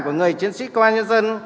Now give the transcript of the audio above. của người chiến sĩ quan nhân dân